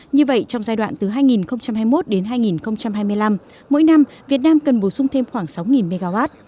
như vậy trong giai đoạn từ hai nghìn hai mươi một đến hai nghìn hai mươi năm mỗi năm việt nam cần bổ sung thêm khoảng sáu mw